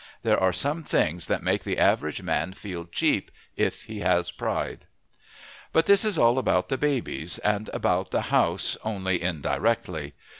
There are some things that make the average man feel cheap, if he has pride. But this is all about the babies, and about the House only indirectly.